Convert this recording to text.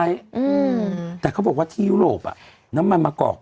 ยังโชคดีที่เป็นแหล่งผลิตอาหารแต่เราแค่